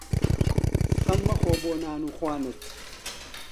خەم مەخۆ بۆ نان و خوانت